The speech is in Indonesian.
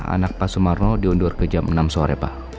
anak pak sumarno diundur ke jam enam sore pak